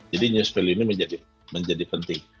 jadi news value ini menjadi penting